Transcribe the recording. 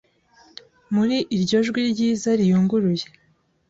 Muri iryo jwi ryiza riyunguruye